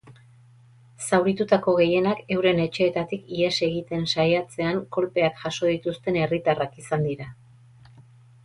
Zauritutako gehienak euren etxeetatik ihes egiten saiatzean kolpeak jaso dituzten herritarrak izan dira.